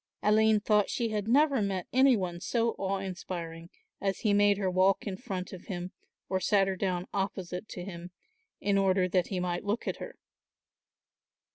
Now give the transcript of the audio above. Aline thought she had never met any one so awe inspiring as he made her walk in front of him or sat her down opposite to him, in order that he might look at her.